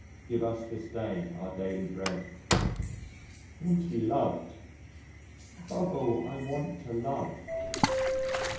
"Give us this day, our daily bread." I want to be loved above all, I want to love.